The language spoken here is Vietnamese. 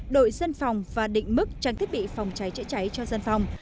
đội dân phòng và định mức trang thiết bị phòng cháy chữa cháy cho dân phòng